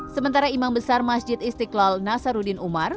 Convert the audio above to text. sementara imam besar masjid istiqlal nasaruddin umar